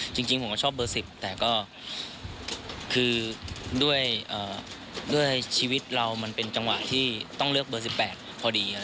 จริงผมก็ชอบเบอร์๑๐แต่ก็คือด้วยชีวิตเรามันเป็นจังหวะที่ต้องเลือกเบอร์๑๘พอดี